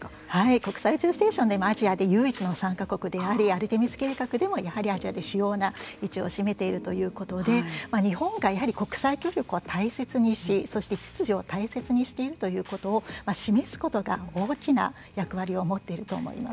国際宇宙ステーションでアジアで唯一の参加国でありアルテミス計画でもやはりアジアで主要な位置を占めているということで日本が国際協力を大切にしそして秩序を大切にしているということを示すことが大きな役割を持っていると思います。